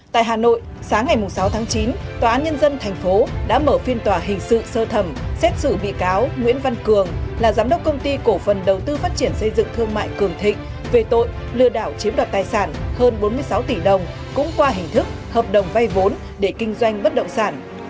tại hà nội sáng ngày sáu tháng chín tòa án nhân dân thành phố đã mở phiên tòa hình sự sơ thẩm xét xử bị cáo nguyễn văn cường là giám đốc công ty cổ phần đầu tư phát triển xây dựng thương mại cường thịnh về tội lừa đảo chiếm đoạt tài sản hơn bốn mươi sáu tỷ đồng cũng qua hình thức hợp đồng vay vốn để kinh doanh bất động sản